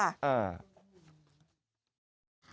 เออ